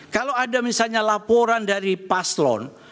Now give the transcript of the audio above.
kalau ada misalnya laporan dari paslon